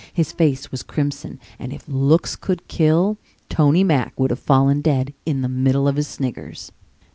His face was crimson and if looks could kill, Tony Mack would have fallen dead in the middle of his sniggers.